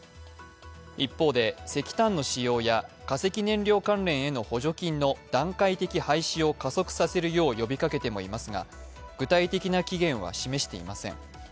一方で、石炭の使用や化石燃料関連への補助金の段階的廃止を加速させるよう呼びかけてもいますが、具体的な期限は示していません。